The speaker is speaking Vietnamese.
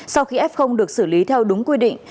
sau khi f được xử lý theo đúng quy định